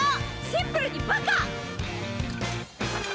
シンプルにバカ！